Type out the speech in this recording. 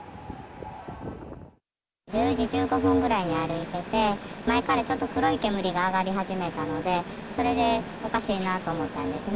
１０時１５分ぐらいに歩いてて、前からちょっと黒い煙が上がり始めたので、それでおかしいなと思ったんですね。